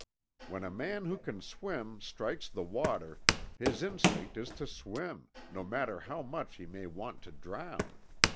When a man who can swim, strikes the water his instinct is to swim, no matter how much he may want to drown.